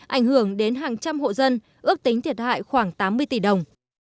ảnh hưởng đến hàng trăm hộ dân ước tính thiệt hại khoảng tám mươi tỷ đồng